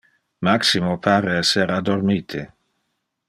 Maximo pare ser addormite.